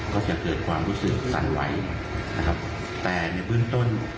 ก็จะเกิดความรู้สึกสั่นไหวนะครับแต่ในเบื้องต้น